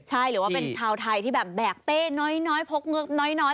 ใช่หรือว่าเป็นชาวไทยที่แบบแบกเป้น้อยพกเงือกน้อย